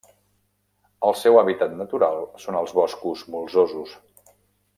El seu hàbitat natural són els boscos molsosos.